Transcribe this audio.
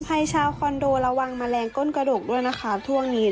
ชาวคอนโดระวังแมลงก้นกระดกด้วยนะคะช่วงนี้